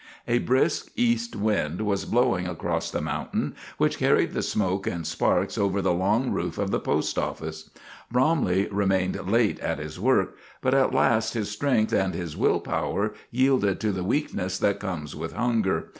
A brisk east wind was blowing across the mountain, which carried the smoke and sparks over the long roof of the post office. Bromley remained late at his work; but at last his strength and his will power yielded to the weakness that comes with hunger.